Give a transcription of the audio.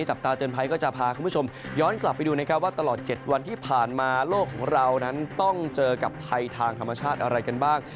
จับตาเตือนภัยก็จะพาคุณผู้ชมย้อนกลับไปดูนะครับว่าตลอด๗วันที่ผ่านมาโลกของเรานั้นต้องเจอกับภัยทางธรรมชาติอะไรกันบ้าง